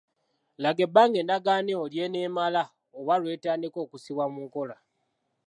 Laga ebbanga endagaano eyo ly'eneemala oba lw'etandika okussibwa mu nkola.